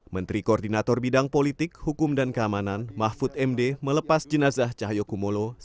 menteri koordinator bidang politik hukum dan keamanan mahfud md melepas jenazah cahyokumolo